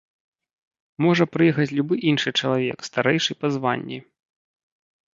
Можа прыехаць любы іншы чалавек, старэйшы па званні.